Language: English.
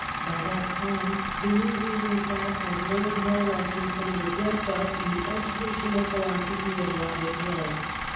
By that time the new ruling class had learnt more lessons than were dreamt of in the educational philosophy of Robert Lowe.